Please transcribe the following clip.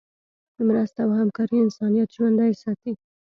مرسته او همکاري انسانیت ژوندی ساتي.